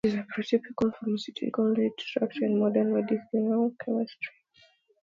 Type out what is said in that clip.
It is a prototypical pharmaceutical lead structure in modern medicinal chemistry.